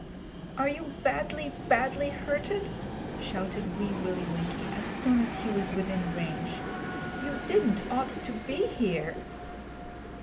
'Are you badly, badly hurted?' shouted Wee Willie Winkie, as soon as he was within range. 'You didn't ought to be here.'